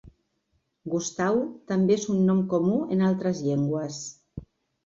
Gustau també és un nom comú en altres llengües.